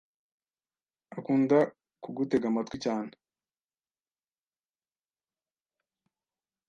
Akunda kugutega amatwi cyane